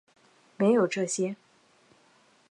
没有这些